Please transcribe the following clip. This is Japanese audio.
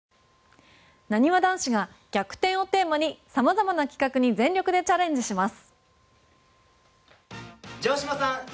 なにわ男子が逆転をテーマにさまざまな企画に全力でチャレンジします！